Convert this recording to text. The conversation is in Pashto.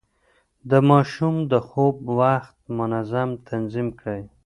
د ماشوم د خوب وخت منظم تنظيم کړئ.